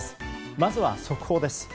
まずは速報です。